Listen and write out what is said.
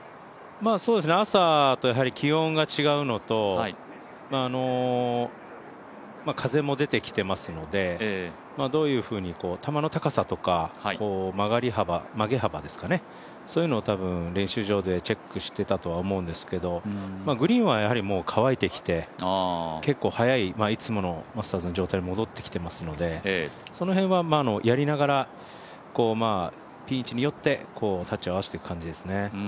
朝とやはり気温が違うのと風も出てきていますので球の球の高さとか曲げ幅ですかね、そういうのを多分、練習場でチェックしていたとは思うんですけど、グリーンはやはり乾いてきて、結構早い、いつものマスターズの状態に戻ってきていますのでその辺はやりながらピン位置によってタッチを合わせていく感じですね。